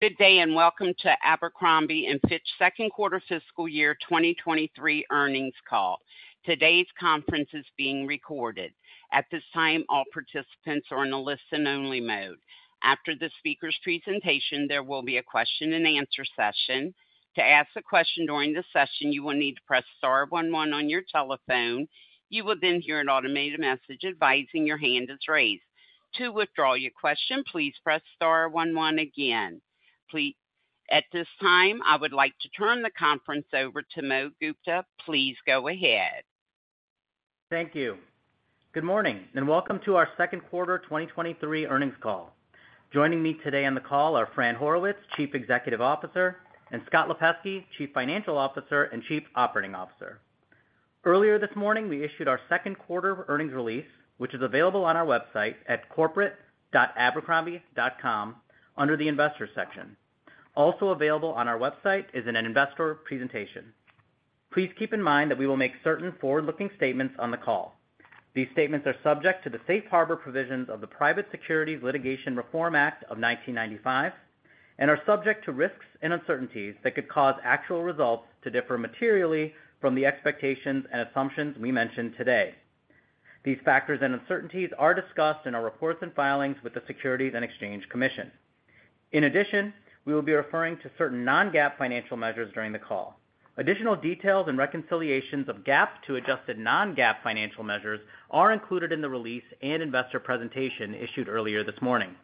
Good day, and welcome to Abercrombie & Fitch second quarter fiscal year 2023 earnings call. Today's conference is being recorded. At this time, all participants are in a listen only mode. After the speaker's presentation, there will be a question and answer session. To ask a question during the session, you will need to press star one one on your telephone. You will then hear an automated message advising your hand is raised. To withdraw your question, please press star one one again. At this time, I would like to turn the conference over to Mohit Gupta. Please go ahead. Thank you. Good morning, welcome to our second quarter 2023 earnings call. Joining me today on the call are Fran Horowitz, Chief Executive Officer, and Scott Lipesky, Chief Financial Officer and Chief Operating Officer. Earlier this morning, we issued our second quarter earnings release, which is available on our website at corporate.abercrombie.com under the Investors section. Also available on our website is an investor presentation. Please keep in mind that we will make certain forward-looking statements on the call. These statements are subject to the safe harbor provisions of the Private Securities Litigation Reform Act of 1995, and are subject to risks and uncertainties that could cause actual results to differ materially from the expectations and assumptions we mention today. These factors and uncertainties are discussed in our reports and filings with the Securities and Exchange Commission. In addition, we will be referring to certain non-GAAP financial measures during the call. Additional details and reconciliations of GAAP to adjusted non-GAAP financial measures are included in the release and investor presentation issued earlier this morning.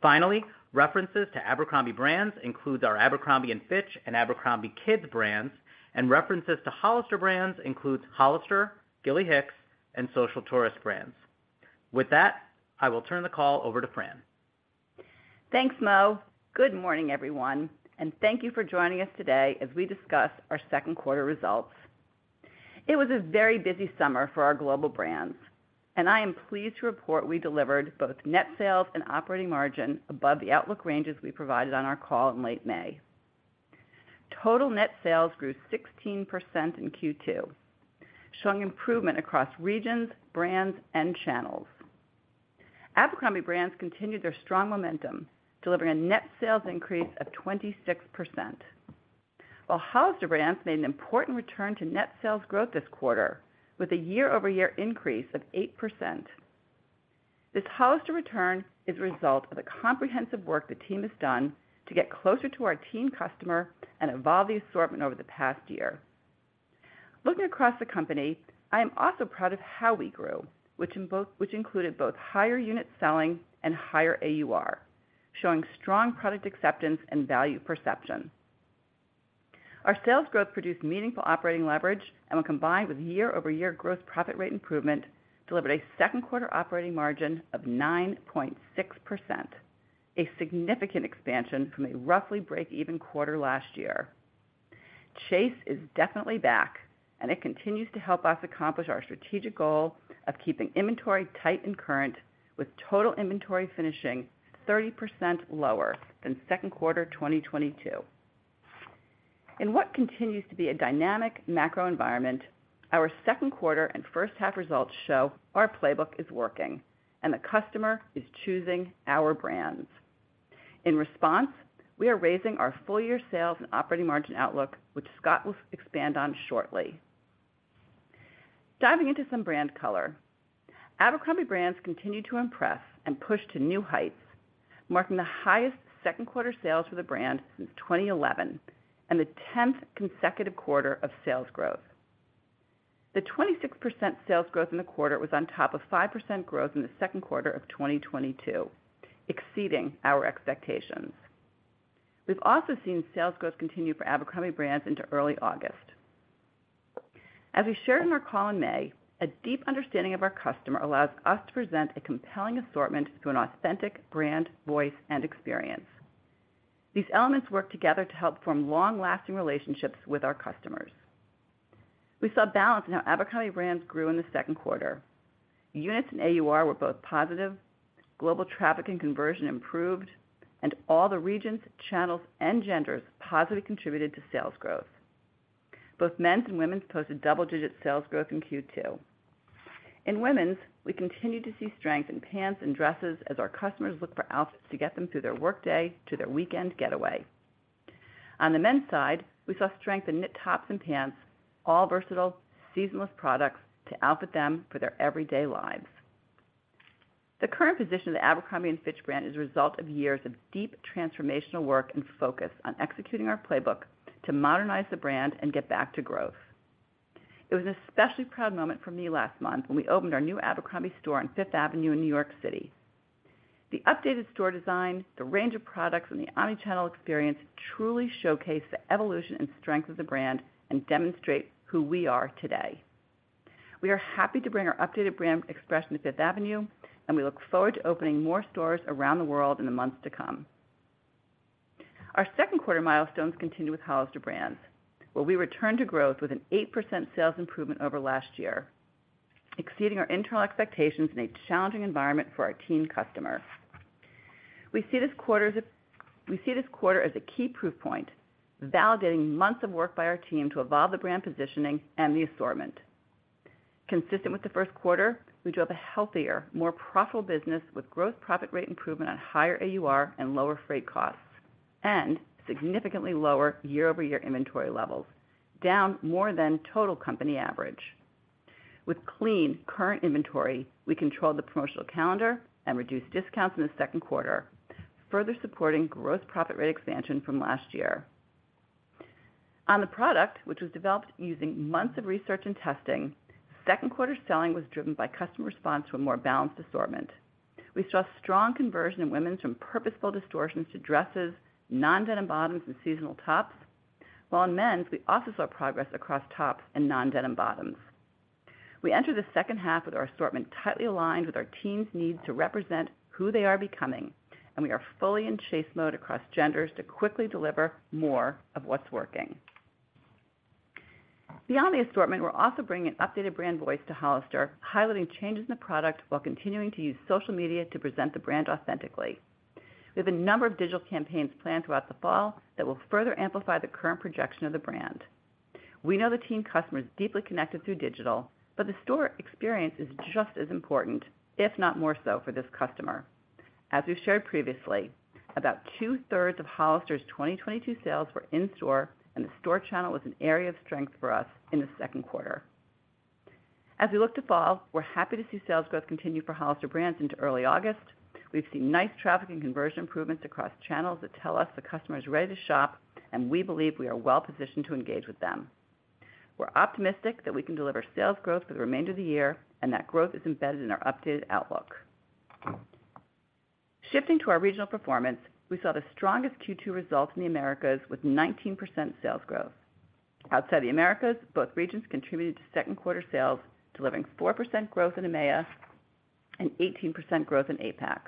Finally, references to Abercrombie Brands includes our Abercrombie & Fitch and abercrombie kids brands, and references to Hollister Brands includes Hollister, Gilly Hicks, and Social Tourist brands. With that, I will turn the call over to Fran. Thanks, Mo. Good morning, everyone, and thank you for joining us today as we discuss our second quarter results. It was a very busy summer for our global brands, and I am pleased to report we delivered both net sales and operating margin above the outlook ranges we provided on our call in late May. Total net sales grew 16% in Q2, showing improvement across regions, brands, and channels. Abercrombie Brands continued their strong momentum, delivering a net sales increase of 26%, while Hollister Brands made an important return to net sales growth this quarter with a year-over-year increase of 8%. This Hollister return is a result of the comprehensive work the team has done to get closer to our teen customer and evolve the assortment over the past year. Looking across the company, I am also proud of how we grew, which included both higher unit selling and higher AUR, showing strong product acceptance and value perception. Our sales growth produced meaningful operating leverage and when combined with year-over-year gross profit rate improvement, delivered a second quarter operating margin of 9.6%, a significant expansion from a roughly break-even quarter last year. Chase is definitely back, it continues to help us accomplish our strategic goal of keeping inventory tight and current, with total inventory finishing 30% lower than second quarter 2022. In what continues to be a dynamic macro environment, our second quarter and first half results show our playbook is working and the customer is choosing our brands. In response, we are raising our full year sales and operating margin outlook, which Scott will expand on shortly. Diving into some brand color. Abercrombie Brands continued to impress and push to new heights, marking the highest second quarter sales for the brand since 2011 and the 10th consecutive quarter of sales growth. The 26% sales growth in the quarter was on top of 5% growth in the second quarter of 2022, exceeding our expectations. We've also seen sales growth continue for Abercrombie Brands into early August. As we shared in our call in May, a deep understanding of our customer allows us to present a compelling assortment through an authentic brand, voice, and experience. These elements work together to help form long-lasting relationships with our customers. We saw balance in how Abercrombie Brands grew in the second quarter. Units and AUR were both positive, global traffic and conversion improved, and all the regions, channels, and genders positively contributed to sales growth. Both men's and women's posted double-digit sales growth in Q2. In women's, we continued to see strength in pants and dresses as our customers look for outfits to get them through their workday to their weekend getaway. On the men's side, we saw strength in knit tops and pants, all versatile, seasonless products to outfit them for their everyday lives. The current position of the Abercrombie & Fitch brand is a result of years of deep transformational work and focus on executing our playbook to modernize the brand and get back to growth. It was an especially proud moment for me last month when we opened our new Abercrombie store on Fifth Avenue in New York City. The updated store design, the range of products, and the omni-channel experience truly showcase the evolution and strength of the brand and demonstrate who we are today. We are happy to bring our updated brand expression to Fifth Avenue, and we look forward to opening more stores around the world in the months to come. Our second quarter milestones continue with Hollister Brands, where we returned to growth with an 8% sales improvement over last year, exceeding our internal expectations in a challenging environment for our teen customer. We see this quarter as a key proof point, validating months of work by our team to evolve the brand positioning and the assortment.... Consistent with the first quarter, we drove a healthier, more profitable business with gross profit rate improvement on higher AUR and lower freight costs, and significantly lower year-over-year inventory levels, down more than total company average. With clean current inventory, we controlled the promotional calendar and reduced discounts in the second quarter, further supporting gross profit rate expansion from last year. On the product, which was developed using months of research and testing, second quarter selling was driven by customer response to a more balanced assortment. We saw strong conversion in women's from purposeful distortions to dresses, non-denim bottoms, and seasonal tops. While in men's, we also saw progress across tops and non-denim bottoms. We enter the second half with our assortment tightly aligned with our team's need to represent who they are becoming, and we are fully in chase mode across genders to quickly deliver more of what's working. Beyond the assortment, we're also bringing an updated brand voice to Hollister, highlighting changes in the product while continuing to use social media to present the brand authentically. We have a number of digital campaigns planned throughout the fall that will further amplify the current projection of the brand. We know the teen customer is deeply connected through digital, but the store experience is just as important, if not more so, for this customer. As we've shared previously, about two-thirds of Hollister's 2022 sales were in store, and the store channel was an area of strength for us in the second quarter. As we look to fall, we're happy to see sales growth continue for Hollister Brands into early August. We've seen nice traffic and conversion improvements across channels that tell us the customer is ready to shop, and we believe we are well positioned to engage with them. We're optimistic that we can deliver sales growth for the remainder of the year, and that growth is embedded in our updated outlook. Shifting to our regional performance, we saw the strongest Q2 results in the Americas with 19% sales growth. Outside the Americas, both regions contributed to second quarter sales, delivering 4% growth in EMEA and 18% growth in APAC.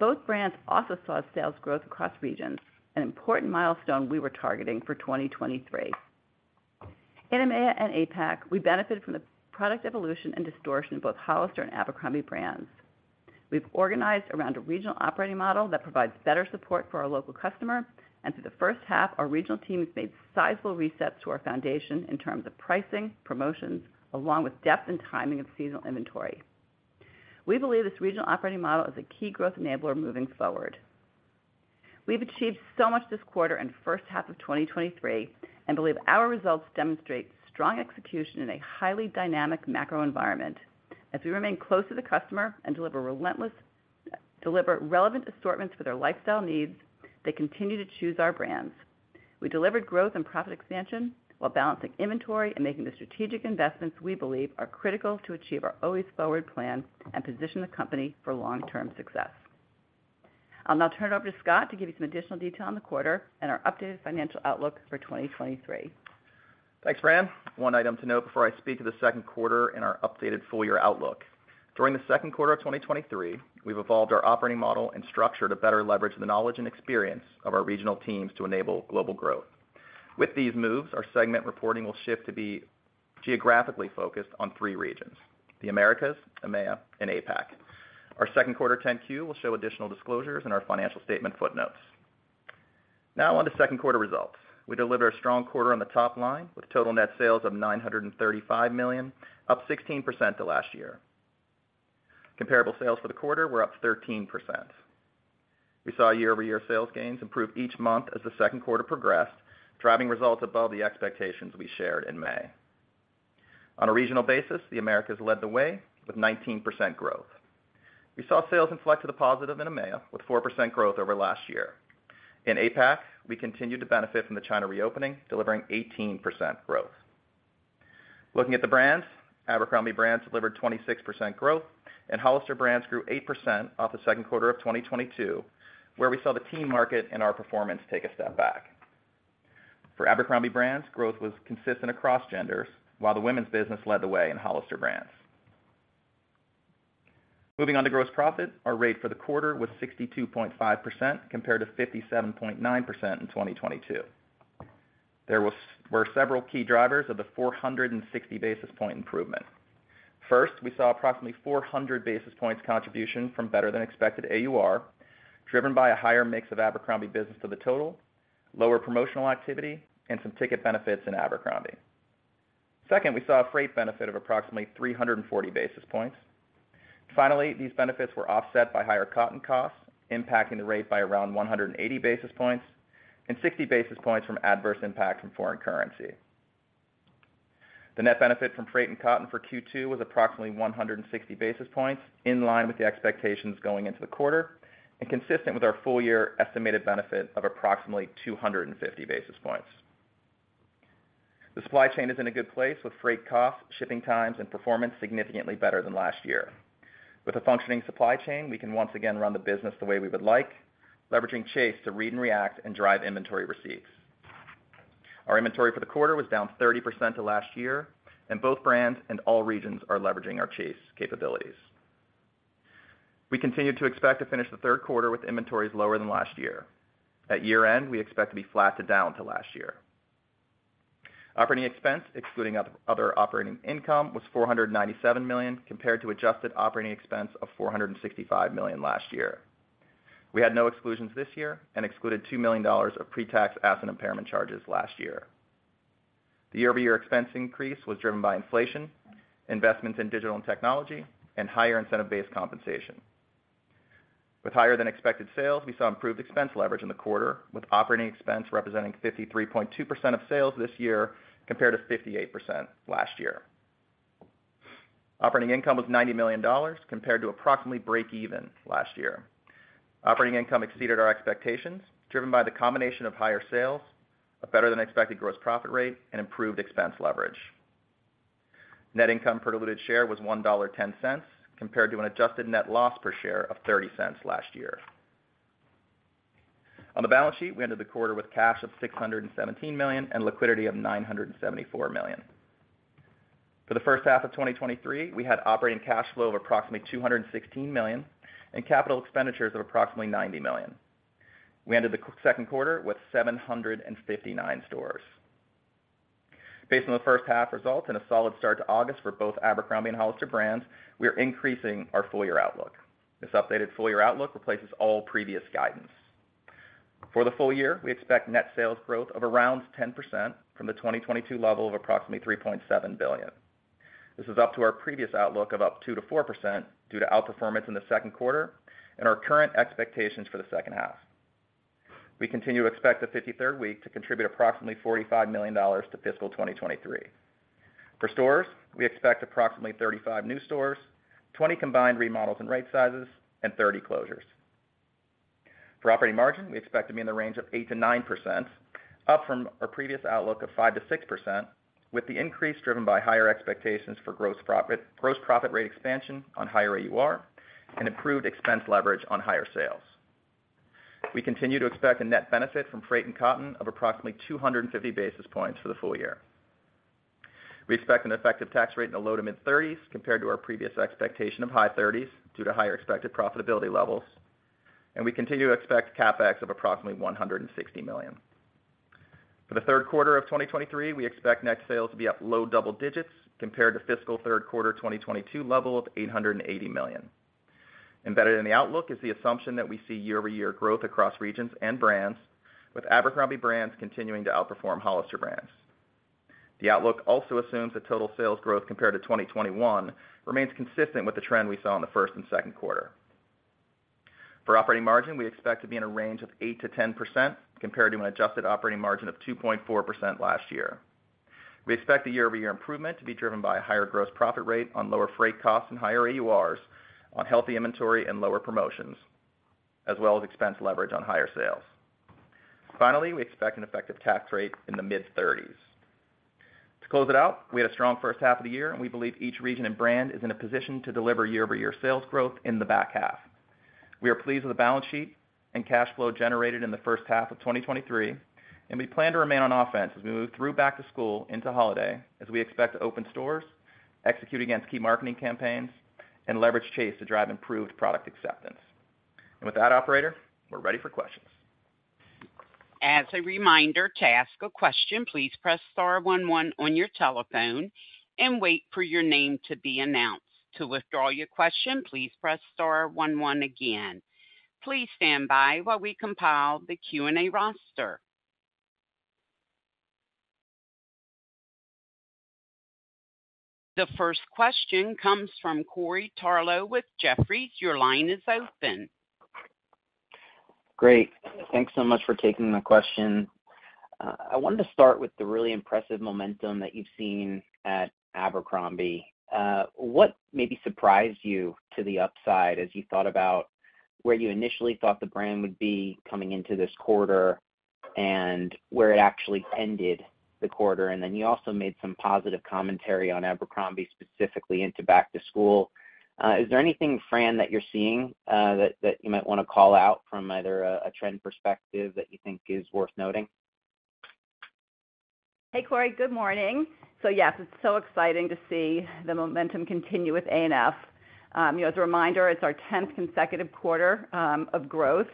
Both brands also saw sales growth across regions, an important milestone we were targeting for 2023. In EMEA and APAC, we benefited from the product evolution and distortion in both Hollister and Abercrombie Brands. We've organized around a regional operating model that provides better support for our local customer, and for the first half, our regional teams made sizable resets to our foundation in terms of pricing, promotions, along with depth and timing of seasonal inventory. We believe this regional operating model is a key growth enabler moving forward. We've achieved so much this quarter and first half of 2023, and believe our results demonstrate strong execution in a highly dynamic macro environment. As we remain close to the customer and deliver relevant assortments for their lifestyle needs, they continue to choose our brands. We delivered growth and profit expansion while balancing inventory and making the strategic investments we believe are critical to achieve our Always Forward Plan and position the company for long-term success. I'll now turn it over to Scott to give you some additional detail on the quarter and our updated financial outlook for 2023. Thanks, Fran. One item to note before I speak to the second quarter and our updated full year outlook. During the second quarter of 2023, we've evolved our operating model and structure to better leverage the knowledge and experience of our regional teams to enable global growth. With these moves, our segment reporting will shift to be geographically focused on 3 regions: the Americas, EMEA, and APAC. Our second quarter 10-Q will show additional disclosures in our financial statement footnotes. Now on to second quarter results. We delivered a strong quarter on the top line, with total net sales of $935 million, up 16% to last year. Comparable sales for the quarter were up 13%. We saw year-over-year sales gains improve each month as the second quarter progressed, driving results above the expectations we shared in May. On a regional basis, the Americas led the way with 19% growth. We saw sales inflect to the positive in EMEA, with 4% growth over last year. In APAC, we continued to benefit from the China reopening, delivering 18% growth. Looking at the brands, Abercrombie Brands delivered 26% growth, and Hollister Brands grew 8% off the second quarter of 2022, where we saw the teen market and our performance take a step back. For Abercrombie Brands, growth was consistent across genders, while the women's business led the way in Hollister Brands. Moving on to gross profit. Our rate for the quarter was 62.5%, compared to 57.9% in 2022. There were several key drivers of the 460 basis point improvement. First, we saw approximately 400 basis points contribution from better than expected AUR, driven by a higher mix of Abercrombie business to the total, lower promotional activity, and some ticket benefits in Abercrombie. Second, we saw a freight benefit of approximately 340 basis points. Finally, these benefits were offset by higher cotton costs, impacting the rate by around 180 basis points and 60 basis points from adverse impacts from foreign currency. The net benefit from freight and cotton for Q2 was approximately 160 basis points, in line with the expectations going into the quarter, and consistent with our full year estimated benefit of approximately 250 basis points. The supply chain is in a good place, with freight costs, shipping times and performance significantly better than last year. With a functioning supply chain, we can once again run the business the way we would like, leveraging Chase to read and react and drive inventory receipts. Our inventory for the quarter was down 30% to last year, and both brands and all regions are leveraging our Chase capabilities. We continue to expect to finish the third quarter with inventories lower than last year. At year-end, we expect to be flat to down to last year. Operating expense, excluding other operating income, was $497 million, compared to adjusted operating expense of $465 million last year. We had no exclusions this year and excluded $2 million of pre-tax asset impairment charges last year. The year-over-year expense increase was driven by inflation, investments in digital and technology, and higher incentive-based compensation. With higher than expected sales, we saw improved expense leverage in the quarter, with operating expense representing 53.2% of sales this year, compared to 58% last year. Operating income was $90 million, compared to approximately break even last year. Operating income exceeded our expectations, driven by the combination of higher sales, a better than expected gross profit rate, and improved expense leverage. Net income per diluted share was $1.10, compared to an adjusted net loss per share of $0.30 last year. On the balance sheet, we ended the quarter with cash of $617 million, and liquidity of $974 million. For the first half of 2023, we had operating cash flow of approximately $216 million, and capital expenditures of approximately $90 million. We ended the second quarter with 759 stores. Based on the first half results and a solid start to August for both Abercrombie and Hollister Brands, we are increasing our full year outlook. This updated full year outlook replaces all previous guidance. For the full year, we expect net sales growth of around 10% from the 2022 level of approximately $3.7 billion. This is up to our previous outlook of up 2%-4% due to outperformance in the second quarter and our current expectations for the second half. We continue to expect the 53rd week to contribute approximately $45 million to fiscal 2023. For stores, we expect approximately 35 new stores, 20 combined remodels and right sizes, and 30 closures. For operating margin, we expect to be in the range of 8%-9%, up from our previous outlook of 5%-6%, with the increase driven by higher expectations for gross profit, gross profit rate expansion on higher AUR, and improved expense leverage on higher sales. We continue to expect a net benefit from freight and cotton of approximately 250 basis points for the full year. We expect an effective tax rate in the low to mid-30s, compared to our previous expectation of high thirties due to higher expected profitability levels, and we continue to expect CapEx of approximately $160 million. For the third quarter of 2023, we expect net sales to be up low double digits compared to fiscal third quarter 2022 level of $880 million. Embedded in the outlook is the assumption that we see year-over-year growth across regions and brands, with Abercrombie Brands continuing to outperform Hollister Brands. The outlook also assumes that total sales growth compared to 2021 remains consistent with the trend we saw in the first and second quarter. For operating margin, we expect to be in a range of 8%-10%, compared to an adjusted operating margin of 2.4% last year. We expect the year-over-year improvement to be driven by a higher gross profit rate on lower freight costs and higher AURs on healthy inventory and lower promotions, as well as expense leverage on higher sales. We expect an effective tax rate in the mid-30s. To close it out, we had a strong first half of the year, we believe each region and brand is in a position to deliver year-over-year sales growth in the back half. We are pleased with the balance sheet and cash flow generated in the first half of 2023, we plan to remain on offense as we move through back to school into holiday, as we expect to open stores, execute against key marketing campaigns, and leverage Chase to drive improved product acceptance. With that, operator, we're ready for questions. As a reminder, to ask a question, please press star one one on your telephone and wait for your name to be announced. To withdraw your question, please press star one one again. Please stand by while we compile the Q&A roster. The first question comes from Corey Tarlowe with Jefferies. Your line is open. Great. Thanks so much for taking my question. I wanted to start with the really impressive momentum that you've seen at Abercrombie. What maybe surprised you to the upside as you thought about where you initially thought the brand would be coming into this quarter and where it actually ended the quarter? You also made some positive commentary on Abercrombie, specifically into back to school. Is there anything, Fran, that you're seeing, that, that you might wanna call out from either a, a trend perspective that you think is worth noting? Hey, Corey, good morning. Yes, it's so exciting to see the momentum continue with ANF. You know, as a reminder, it's our 10th consecutive quarter of growth,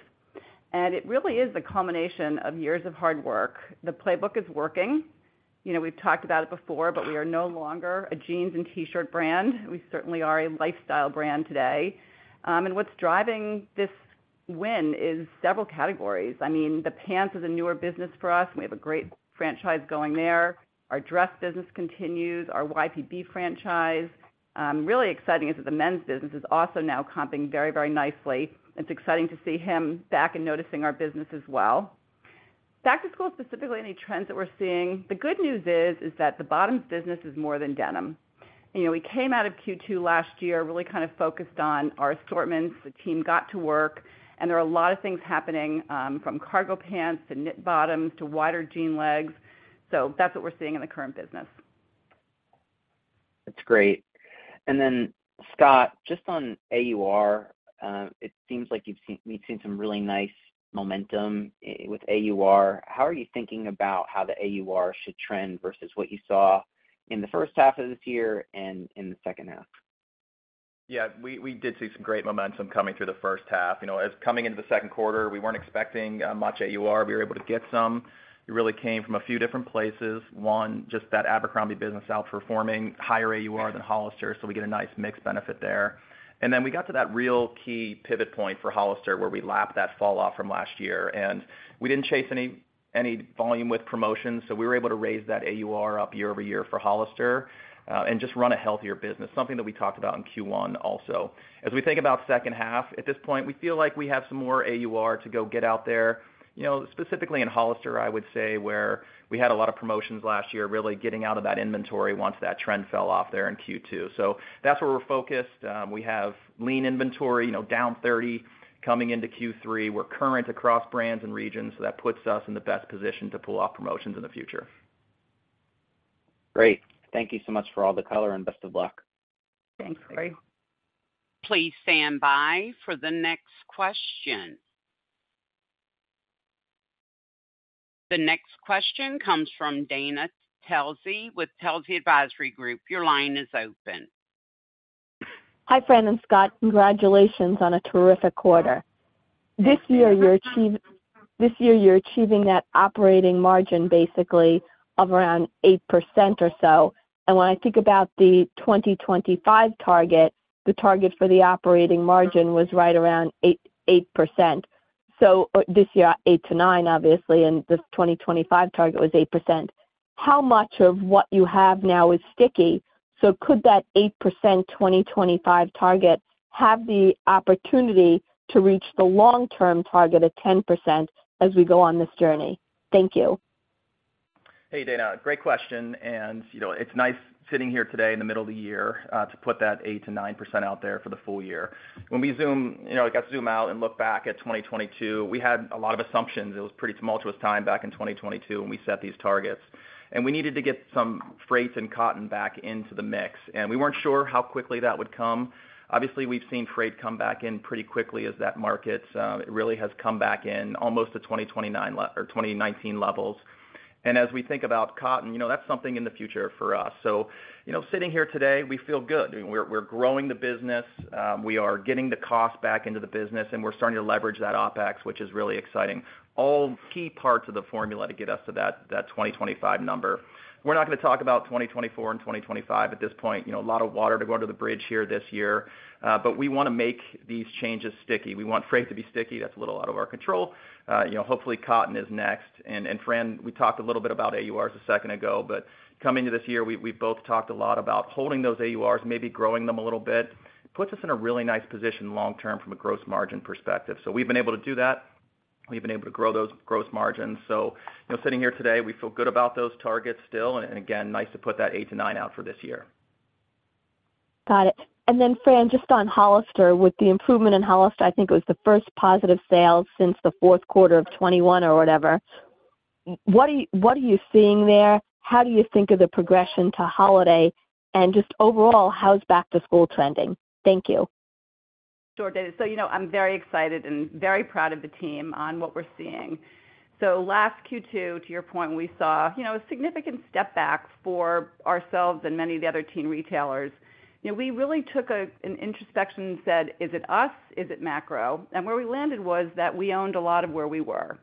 and it really is a culmination of years of hard work. The playbook is working. You know, we've talked about it before, but we are no longer a jeans and T-shirt brand. We certainly are a lifestyle brand today. And what's driving this win is several categories. I mean, the pants is a newer business for us, and we have a great franchise going there. Our dress business continues, our YPB franchise. Really exciting is that the men's business is also now comping very, very nicely. It's exciting to see him back and noticing our business as well. Back to school, specifically, any trends that we're seeing, the good news is, is that the bottoms business is more than denim. You know, we came out of Q2 last year, really kind of focused on our assortments. The team got to work, and there are a lot of things happening, from cargo pants to knit bottoms to wider jean legs. That's what we're seeing in the current business. That's great. Scott, just on AUR, it seems like we've seen some really nice momentum with AUR. How are you thinking about how the AUR should trend versus what you saw in the first half of this year and in the second half? Yeah, we, we did see some great momentum coming through the first half. You know, as coming into the second quarter, we weren't expecting much AUR. We were able to get some. It really came from a few different places. One, just that Abercrombie business outperforming higher AUR than Hollister, so we get a nice mix benefit there. Then we got to that real key pivot point for Hollister, where we lapped that fall off from last year, and we didn't chase any, any volume with promotions. We were able to raise that AUR up year-over-year for Hollister, and just run a healthier business, something that we talked about in Q1 also. As we think about second half, at this point, we feel like we have some more AUR to go get out there. You know, specifically in Hollister, I would say, where we had a lot of promotions last year, really getting out of that inventory once that trend fell off there in Q2. That's where we're focused. We have lean inventory, you know, down 30 coming into Q3. We're current across brands and regions, so that puts us in the best position to pull off promotions in the future. Great. Thank you so much for all the color, and best of luck. Thanks, Greg. Please stand by for the next question. The next question comes from Dana Telsey with Telsey Advisory Group. Your line is open. Hi, Fran and Scott. Congratulations on a terrific quarter. This year, this year, you're achieving that operating margin, basically, of around 8% or so. When I think about the 2025 target, the target for the operating margin was right around 8%, 8%. This year, 8%-9%, obviously, and this 2025 target was 8%. How much of what you have now is sticky? Could that 8% 2025 target have the opportunity to reach the long-term target of 10% as we go on this journey? Thank you. Hey, Dana, great question, and, you know, it's nice sitting here today in the middle of the year, to put that 8%-9% out there for the full year. When we zoom, you know, I got to zoom out and look back at 2022, we had a lot of assumptions. It was a pretty tumultuous time back in 2022 when we set these targets. We needed to get some freights and cotton back into the mix, and we weren't sure how quickly that would come. Obviously, we've seen freight come back in pretty quickly as that market, it really has come back in almost to 2029 or 2019 levels. As we think about cotton, you know, that's something in the future for us. You know, sitting here today, we feel good. We're, we're growing the business, we are getting the cost back into the business, and we're starting to leverage that OpEx, which is really exciting. All key parts of the formula to get us to that, that 2025 number. We're not gonna talk about 2024 and 2025 at this point. You know, a lot of water to go under the bridge here this year, but we wanna make these changes sticky. We want freight to be sticky. That's a little out of our control. You know, hopefully, cotton is next. Fran, we talked a little bit about AURs a second ago, but coming to this year, we, we both talked a lot about holding those AURs, maybe growing them a little bit. It puts us in a really nice position long term from a gross margin perspective. We've been able to do that. We've been able to grow those gross margins. You know, sitting here today, we feel good about those targets still, and again, nice to put that 8-9 out for this year. Got it. Then, Fran, just on Hollister, with the improvement in Hollister, I think it was the first positive sales since the fourth quarter of 2021 or whatever. What are you, what are you seeing there? How do you think of the progression to holiday? Just overall, how's back-to-school trending? Thank you. Sure, Dana. You know, I'm very excited and very proud of the team on what we're seeing. Last Q2, to your point, we saw, you know, a significant step back for ourselves and many of the other teen retailers. You know, we really took a, an introspection and said, "Is it us? Is it macro?" Where we landed was that we owned a lot of where we were.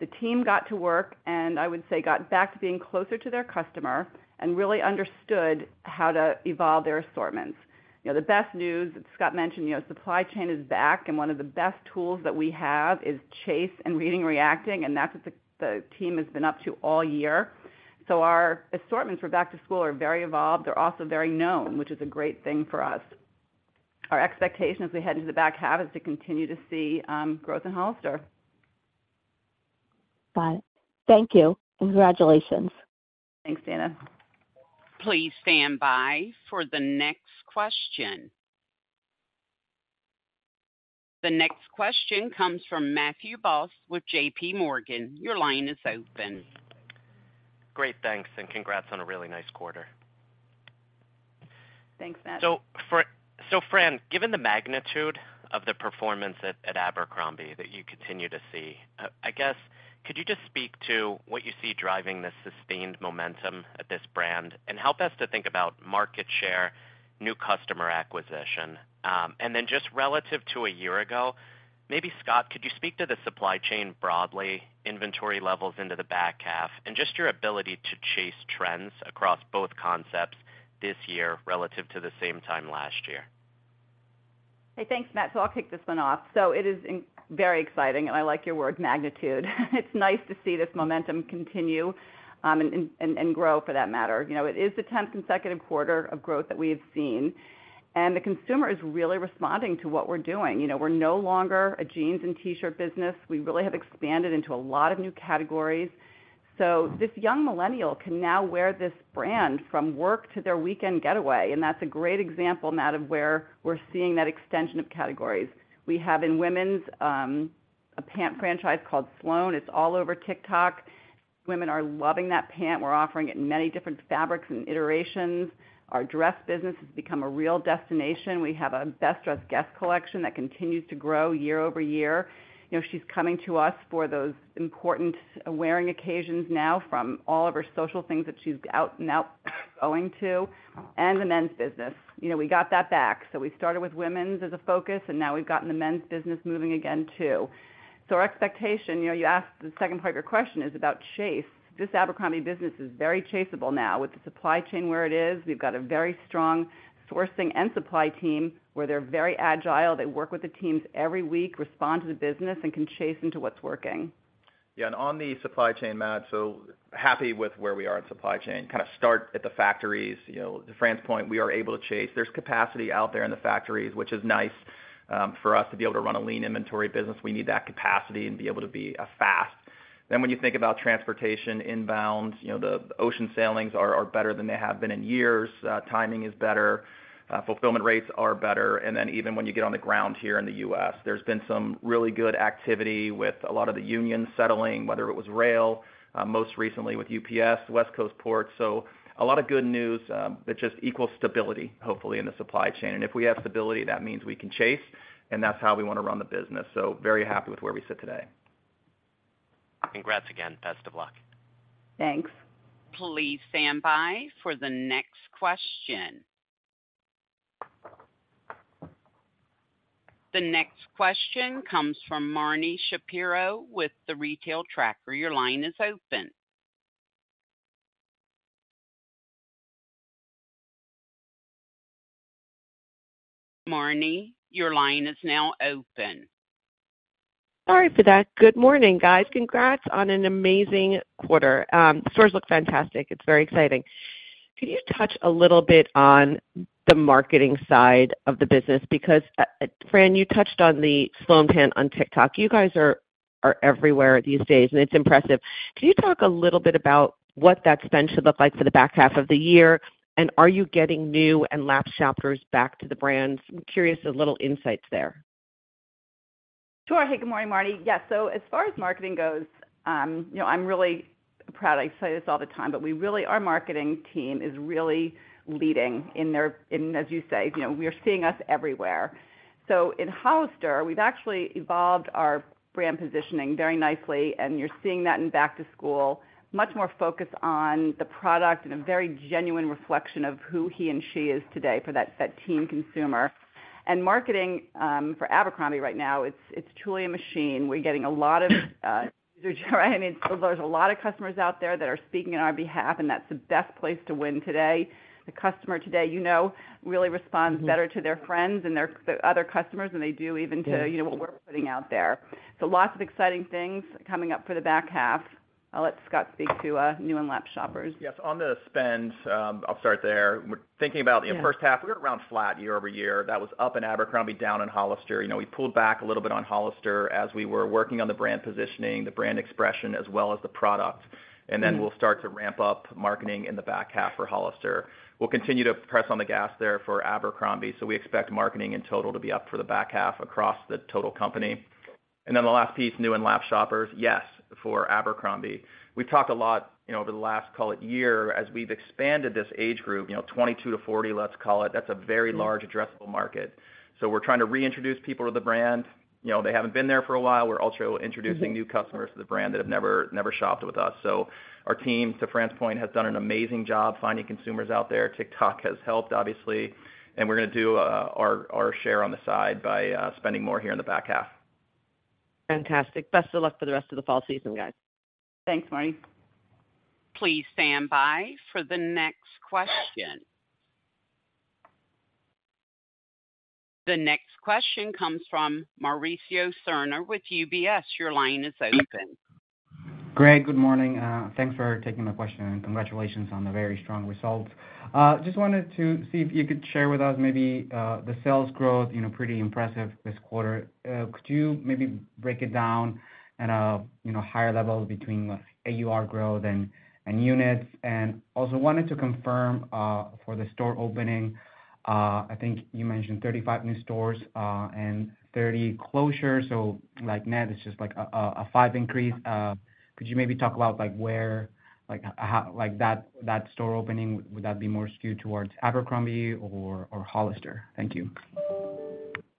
The team got to work, and I would say, got back to being closer to their customer and really understood how to evolve their assortments. You know, the best news that Scott mentioned, you know, supply chain is back, and one of the best tools that we have is chase and reading, reacting, and that's what the, the team has been up to all year. Our assortments for back to school are very evolved. They're also very known, which is a great thing for us. Our expectation as we head into the back half, is to continue to see growth in Hollister. Got it. Thank you. Congratulations. Thanks, Dana. Please stand by for the next question. The next question comes from Matthew Boss with JPMorgan. Your line is open. Great, thanks, and congrats on a really nice quarter. Thanks, Matt. Fran, given the magnitude of the performance at Abercrombie, that you continue to see, I guess, could you just speak to what you see driving this sustained momentum at this brand? Help us to think about market share, new customer acquisition. Then just relative to a year ago, maybe Scott, could you speak to the supply chain broadly, inventory levels into the back half, and just your ability to chase trends across both concepts this year relative to the same time last year? Hey, thanks, Matt. I'll kick this one off. It is very exciting, and I like your word magnitude. It's nice to see this momentum continue, and grow for that matter. You know, it is the 10th consecutive quarter of growth that we have seen, and the consumer is really responding to what we're doing. You know, we're no longer a jeans and T-shirt business. We really have expanded into a lot of new categories. This young millennial can now wear this brand from work to their weekend getaway, and that's a great example, Matt, of where we're seeing that extension of categories. We have in women's, a pant franchise called Sloane. It's all over TikTok. Women are loving that pant. We're offering it in many different fabrics and iterations. Our dress business has become a real destination. We have a Best Dressed Guest Collection that continues to grow year-over-year. You know, she's coming to us for those important wearing occasions now, from all of her social things that she's out and going to, and the men's business. You know, we got that back. We started with women's as a focus, and now we've gotten the men's business moving again, too. Our expectation, you know, you asked the second part of your question is about chase. This Abercrombie business is very chaseable now. With the supply chain where it is, we've got a very strong sourcing and supply team, where they're very agile, they work with the teams every week, respond to the business, and can chase into what's working. Yeah, on the supply chain, Matt, so happy with where we are at supply chain. Kinda start at the factories. You know, to Fran's point, we are able to chase. There's capacity out there in the factories, which is nice, for us to be able to run a lean inventory business, we need that capacity and be able to be fast. When you think about transportation inbound, you know, the ocean sailings are better than they have been in years. Timing is better, fulfillment rates are better. Even when you get on the ground here in the U.S., there's been some really good activity with a lot of the unions settling, whether it was rail, most recently with UPS, West Coast ports. A lot of good news that just equals stability, hopefully, in the supply chain. If we have stability, that means we can Chase, and that's how we wanna run the business. Very happy with where we sit today. Congrats again. Best of luck. Thanks. Please stand by for the next question. The next question comes from Marni Shapiro with The Retail Tracker. Your line is open. Marni, your line is now open. Sorry for that. Good morning, guys. Congrats on an amazing quarter. Stores look fantastic. It's very exciting. Can you touch a little bit on the marketing side of the business? Because, Fran, you touched on the Sloane pant on TikTok. You guys are, are everywhere these days, and it's impressive. Can you talk a little bit about what that spend should look like for the back half of the year? Are you getting new and lapsed shoppers back to the brands? I'm curious of little insights there. Sure. Hey, good morning, Marni. As far as marketing goes, you know, I'm really proud. I say this all the time, but we really, our marketing team is really leading in their... In, as you say, you know, we are seeing us everywhere. In Hollister, we've actually evolved our brand positioning very nicely, and you're seeing that in back to school. Much more focused on the product and a very genuine reflection of who he and she is today for that, that teen consumer. Marketing for Abercrombie right now, it's, it's truly a machine. We're getting a lot of, I mean, there's a lot of customers out there that are speaking on our behalf, and that's the best place to win today. The customer today, you know, really responds better to their friends and the other customers than they do even to- Yeah. You know, what we're putting out there. Lots of exciting things coming up for the back half. I'll let Scott speak to new and lapsed shoppers. Yes, on the spend, I'll start there. We're thinking about- Yeah. The first half, we're around flat year-over-year. That was up in Abercrombie, down in Hollister. You know, we pulled back a little bit on Hollister as we were working on the brand positioning, the brand expression, as well as the product. Mm-hmm. Then we'll start to ramp up marketing in the back half for Hollister. We'll continue to press on the gas there for Abercrombie, we expect marketing in total to be up for the back half across the total company. Then the last piece, new and lapsed shoppers. Yes, for Abercrombie. We've talked a lot, you know, over the last, call it year, as we've expanded this age group, you know, 22-40, let's call it. That's a very large addressable market. We're trying to reintroduce people to the brand. You know, they haven't been there for a while. We're also introducing- Mm-hmm.... New customers to the brand that have never, never shopped with us. Our team, to Fran's point, has done an amazing job finding consumers out there. TikTok has helped, obviously, and we're gonna do our, our share on the side by spending more here in the back half. Fantastic. Best of luck for the rest of the fall season, guys. Thanks, Marni. Please stand by for the next question. The next question comes from Mauricio Serna with UBS. Your line is open. Great. Good morning, thanks for taking my question, and congratulations on the very strong results. Just wanted to see if you could share with us maybe the sales growth, you know, pretty impressive this quarter. Could you maybe break it down at a, you know, higher level between AUR growth and units? Also wanted to confirm for the store opening, I think you mentioned 35 new stores and 30 closures. Like net, it's just like a 5 increase. Could you maybe talk about like where, like, how, like that, that store opening, would that be more skewed towards Abercrombie or Hollister? Thank you.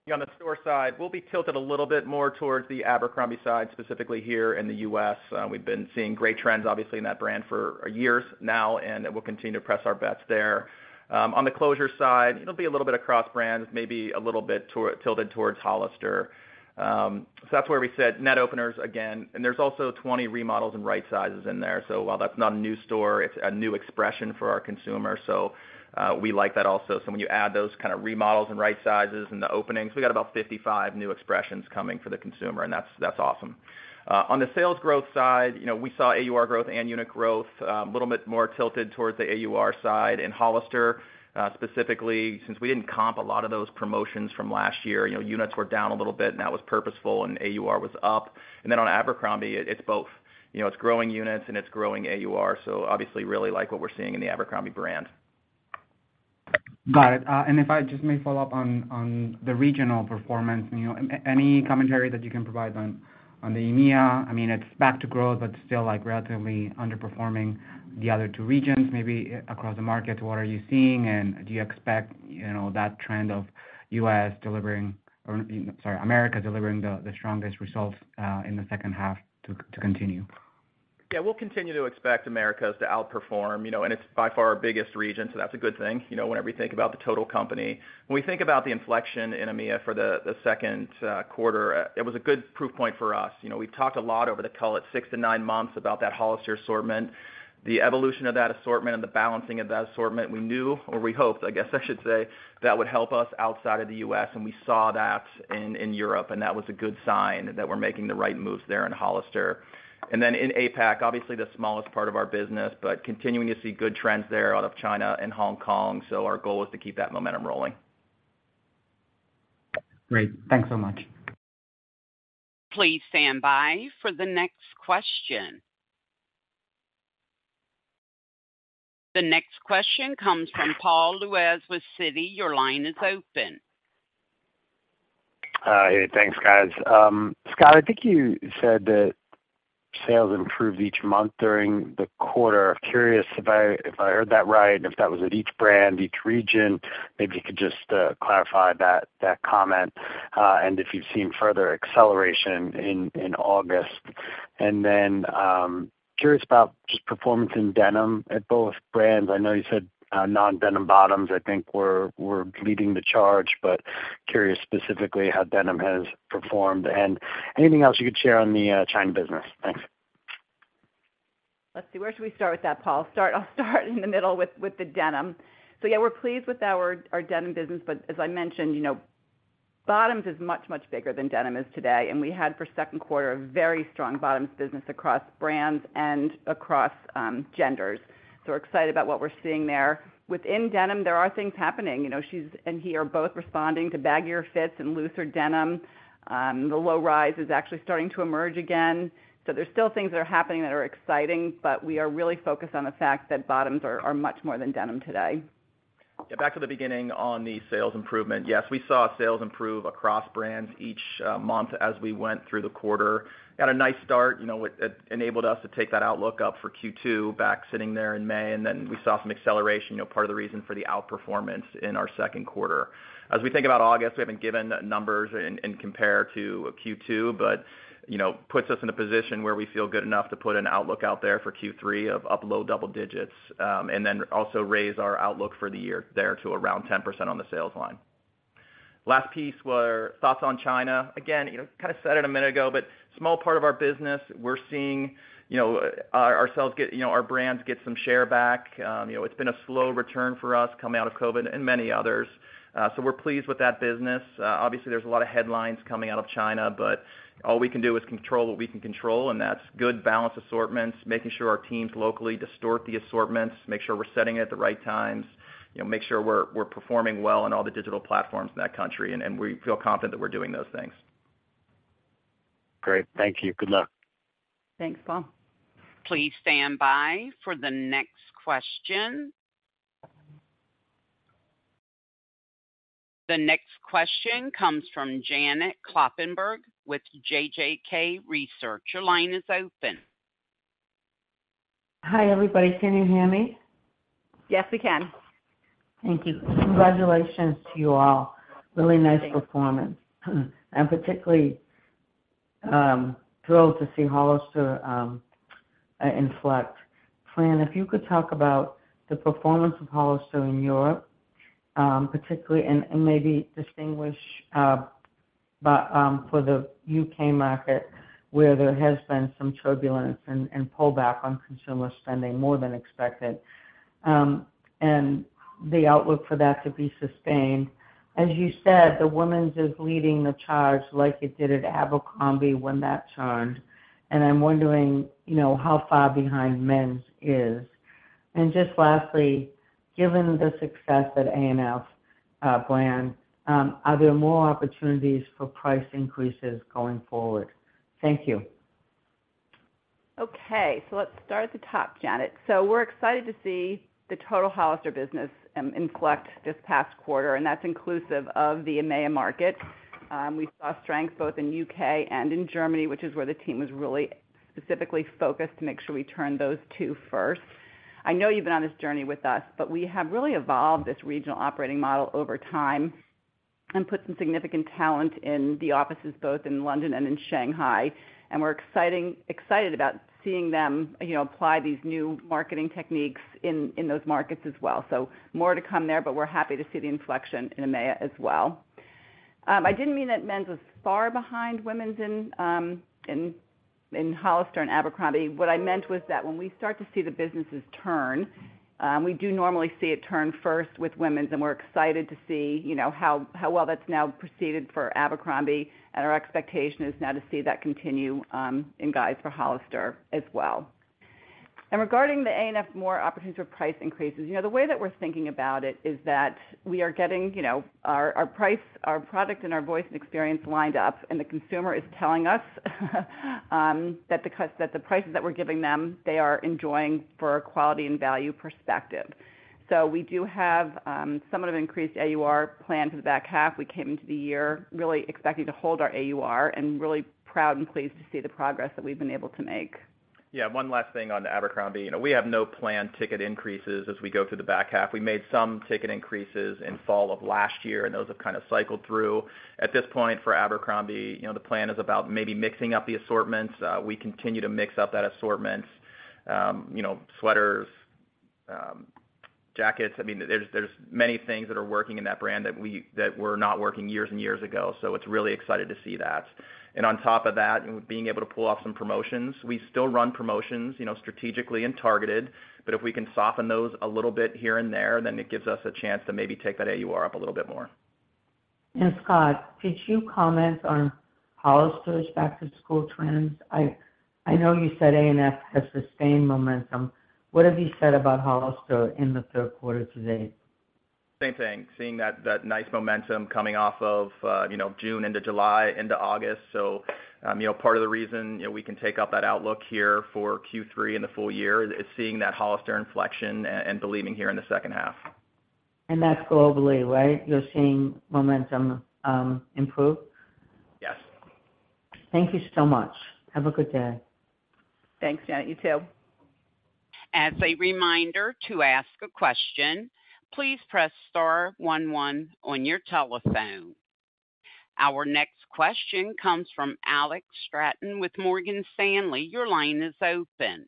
Yeah, on the store side, we'll be tilted a little bit more towards the Abercrombie side, specifically here in the U.S. We've been seeing great trends, obviously, in that brand for years now, and we'll continue to press our bets there. On the closure side, it'll be a little bit across brands, maybe a little bit tilted towards Hollister. That's where we said net openers again, and there's also 20 remodels and right sizes in there. While that's not a new store, it's a new expression for our consumer, so we like that also. When you add those kind of remodels and right sizes and the openings, we got about 55 new expressions coming for the consumer, and that's, that's awesome. On the sales growth side, you know, we saw AUR growth and unit growth, a little bit more tilted towards the AUR side. In Hollister, specifically, since we didn't comp a lot of those promotions from last year, you know, units were down a little bit, and that was purposeful, and AUR was up. Then on Abercrombie, it's both, you know, it's growing units and it's growing AUR, so obviously really like what we're seeing in the Abercrombie brand. Got it. If I just may follow up on, on the regional performance, you know, any commentary that you can provide on, on the EMEA? I mean, it's back to growth, but still, like, relatively underperforming the other 2 regions. Maybe across the market, what are you seeing? Do you expect, you know, that trend of U.S. delivering or, sorry, Americas delivering the, the strongest results in the second half to, to continue? Yeah, we'll continue to expect Americas to outperform, you know, and it's by far our biggest region, so that's a good thing, you know, whenever you think about the total company. When we think about the inflection in EMEA for the, the second quarter, it was a good proof point for us. You know, we've talked a lot over the call, at 6-9 months, about that Hollister assortment. The evolution of that assortment and the balancing of that assortment, we knew, or we hoped, I guess I should say, that would help us outside of the U.S., and we saw that in, in Europe, and that was a good sign that we're making the right moves there in Hollister. Then in APAC, obviously, the smallest part of our business, but continuing to see good trends there out of China and Hong Kong. Our goal is to keep that momentum rolling. Great. Thanks so much. Please stand by for the next question. The next question comes from Paul Lejuez with Citi. Your line is open. Hi. Thanks, guys. Scott, I think you said that sales improved each month during the quarter. I'm curious if I, if I heard that right, and if that was at each brand, each region? Maybe you could just, clarify that, that comment, and if you've seen further acceleration in, in August. Curious about just performance in denim at both brands. I know you said, non-denim bottoms, I think, were, were leading the charge, but curious specifically how denim has performed. Anything else you could share on the, China business. Thanks. Let's see, where should we start with that, Paul? I'll start in the middle with, with the denim. Yeah, we're pleased with our, our denim business, but as I mentioned, you know, bottoms is much, much bigger than denim is today, and we had, for second quarter, a very strong bottoms business across brands and across genders. We're excited about what we're seeing there. Within denim, there are things happening. You know, and he are both responding to baggier fits and looser denim. The low rise is actually starting to emerge again. There's still things that are happening that are exciting, but we are really focused on the fact that bottoms are, are much more than denim today. Yeah, back to the beginning on the sales improvement. Yes, we saw sales improve across brands each month as we went through the quarter. Had a nice start, you know, it, it enabled us to take that outlook up for Q2, back sitting there in May. We saw some acceleration, you know, part of the reason for the outperformance in our second quarter. As we think about August, we haven't given numbers in compare to Q2, you know, puts us in a position where we feel good enough to put an outlook out there for Q3 of up low double digits. Also raise our outlook for the year there to around 10% on the sales line. Last piece, were thoughts on China. Again, you know, kind of said it a minute ago, small part of our business. We're seeing, you know, our, ourselves get, you know, our brands get some share back. You know, it's been a slow return for us coming out of COVID and many others. We're pleased with that business. Obviously, there's a lot of headlines coming out of China, all we can do is control what we can control, and that's good balanced assortments, making sure our teams locally distort the assortments, make sure we're setting it at the right times, you know, make sure we're, we're performing well on all the digital platforms in that country. We feel confident that we're doing those things. Great. Thank you. Good luck. Thanks, Paul. Please stand by for the next question. The next question comes from Janet Kloppenburg with JJK Research. Your line is open. Hi, everybody. Can you hear me? Yes, we can. Thank you. Congratulations to you all. Really nice performance. I'm particularly thrilled to see Hollister inflect. Fran, if you could talk about the performance of Hollister in Europe, particularly, and maybe distinguish for the U.K. market, where there has been some turbulence and pullback on consumer spending more than expected, and the outlook for that to be sustained. As you said, the women's is leading the charge like it did at Abercrombie when that turned, and I'm wondering, you know, how far behind men's is. Just lastly, given the success at A&F brand, are there more opportunities for price increases going forward? Thank you. Let's start at the top, Janet. We're excited to see the total Hollister business inflect this past quarter, and that's inclusive of the EMEA market. We saw strength both in U.K. and in Germany, which is where the team was really specifically focused to make sure we turned those two first. I know you've been on this journey with us, we have really evolved this regional operating model over time and put some significant talent in the offices both in London and in Shanghai. We're excited about seeing them, you know, apply these new marketing techniques in those markets as well. More to come there, we're happy to see the inflection in EMEA as well. I didn't mean that men's was far behind women's in Hollister and Abercrombie. What I meant was that when we start to see the businesses turn, we do normally see it turn first with women's, and we're excited to see, you know, how, how well that's now proceeded for Abercrombie. Our expectation is now to see that continue in guides for Hollister as well. Regarding the A&F more opportunities for price increases, you know, the way that we're thinking about it is that we are getting, you know, our, our price, our product and our voice and experience lined up, and the consumer is telling us that the prices that we're giving them, they are enjoying for quality and value perspective. We do have somewhat of an increased AUR planned for the back half. We came into the year really expecting to hold our AUR and really proud and pleased to see the progress that we've been able to make. Yeah, one last thing on Abercrombie. You know, we have no planned ticket increases as we go through the back half. We made some ticket increases in fall of last year, and those have kind of cycled through. At this point for Abercrombie, you know, the plan is about maybe mixing up the assortments. We continue to mix up that assortment. You know, sweaters, jackets. I mean, there's, there's many things that are working in that brand that were not working years and years ago, so it's really excited to see that. On top of that, being able to pull off some promotions. We still run promotions, you know, strategically and targeted, but if we can soften those a little bit here and there, then it gives us a chance to maybe take that AUR up a little bit more. Scott, did you comment on Hollister's back-to-school trends? I, I know you said A&F has sustained momentum. What have you said about Hollister in the third quarter to date? Same thing. Seeing that, that nice momentum coming off of, you know, June into July into August. You know, part of the reason, you know, we can take up that outlook here for Q3 and the full year is seeing that Hollister inflection a-and believing here in the second half. That's globally, right? You're seeing momentum, improve? Yes. Thank you so much. Have a good day. Thanks, Janet. You too. As a reminder, to ask a question, please press star one one on your telephone. Our next question comes from Alex Straton with Morgan Stanley. Your line is open.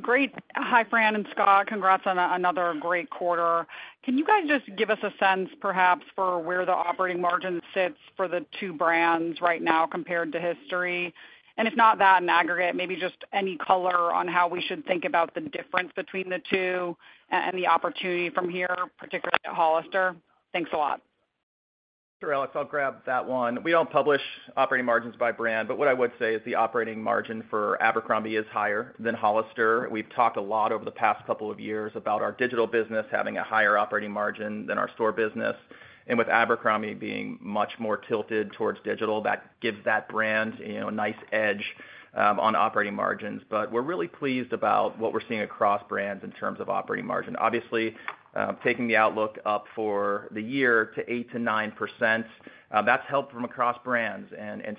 Great. Hi, Fran and Scott. Congrats on another great quarter. Can you guys just give us a sense perhaps for where the operating margin sits for the two brands right now compared to history? And if not that, in aggregate, maybe just any color on how we should think about the difference between the two and the opportunity from here, particularly at Hollister. Thanks a lot. Sure, Alex, I'll grab that one. We don't publish operating margins by brand. What I would say is the operating margin for Abercrombie is higher than Hollister. We've talked a lot over the past couple of years about our digital business having a higher operating margin than our store business, with Abercrombie being much more tilted towards digital, that gives that brand, you know, a nice edge on operating margins. We're really pleased about what we're seeing across brands in terms of operating margin. Obviously, taking the outlook up for the year to 8%-9%, that's helped from across brands.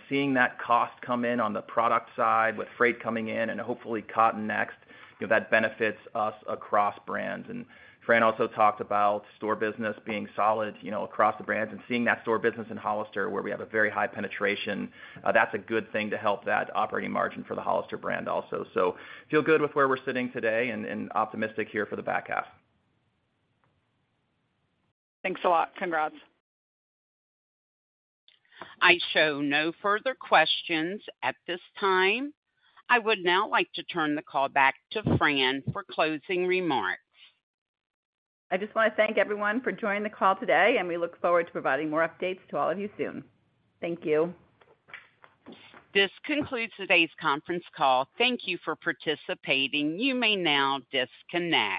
Seeing that cost come in on the product side, with freight coming in and hopefully cotton next, you know, that benefits us across brands. Fran also talked about store business being solid, you know, across the brands, and seeing that store business in Hollister, where we have a very high penetration, that's a good thing to help that operating margin for the Hollister brand also. Feel good with where we're sitting today and, and optimistic here for the back half. Thanks a lot. Congrats. I show no further questions at this time. I would now like to turn the call back to Fran for closing remarks. I just wanna thank everyone for joining the call today, and we look forward to providing more updates to all of you soon. Thank you. This concludes today's conference call. Thank you for participating. You may now disconnect.